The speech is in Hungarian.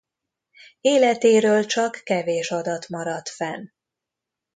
Életéről csak kevés adat maradt fenn.